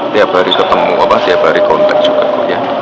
tiap hari ketemu tiap hari kontak juga kok ya